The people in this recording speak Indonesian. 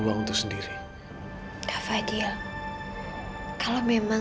kak fadil gak sadar